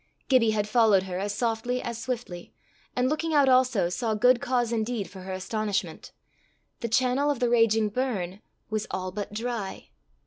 Gibbie had followed her as softly as swiftly, and looking out also, saw good cause indeed for her astonishment: the channel of the raging burn was all but dry!